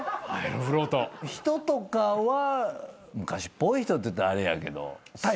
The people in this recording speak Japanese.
人とかは昔っぽい人って言ったらあれやけど。